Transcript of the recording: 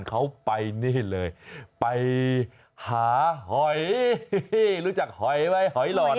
เขาไปนี่เลยไปหาหอยรู้จักหอยไหมหอยหล่อน